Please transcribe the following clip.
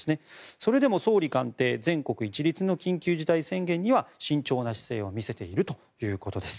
それでも総理官邸全国一律の緊急事態宣言には慎重な姿勢を見せているということです。